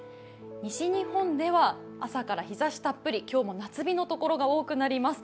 西日本では朝から日ざしたっぷり今日も夏日の所が多くなります。